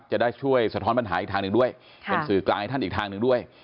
จะได้ช่วยสะท้อนปัญหาอีกทางหนึ่งด้วยเป็นสื่อกลางให้ท่านอีกทางหนึ่งด้วย